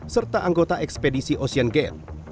serta anggota ekspedisi ocean gate